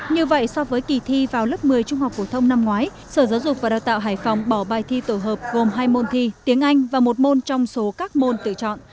như vậy so với kỳ thi vào lớp một mươi trung học phổ thông năm ngoái sở giáo dục và đào tạo hải phòng bỏ bài thi tổ hợp gồm hai môn thi tiếng anh và một môn trong số các môn tự chọn